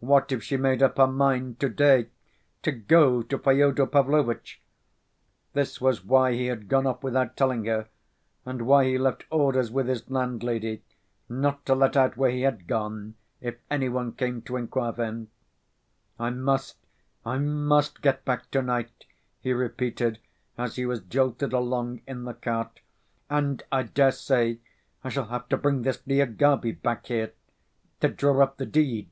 What if she made up her mind to‐day to go to Fyodor Pavlovitch? This was why he had gone off without telling her and why he left orders with his landlady not to let out where he had gone, if any one came to inquire for him. "I must, I must get back to‐night," he repeated, as he was jolted along in the cart, "and I dare say I shall have to bring this Lyagavy back here ... to draw up the deed."